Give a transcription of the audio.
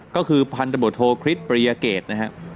ก็คือพันธบทโทคริสปริยเกตนะครับ